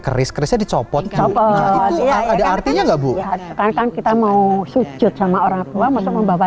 keris kerisnya dicopot copot artinya enggak bu kan kita mau sujud sama orangtua masuk membawa